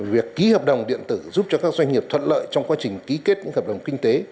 việc ký hợp đồng điện tử giúp cho các doanh nghiệp thuận lợi trong quá trình ký kết những hợp đồng kinh tế